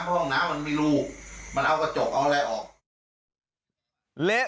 ห้องน้ำมันมีรูปมันเอากระจกเอาและออก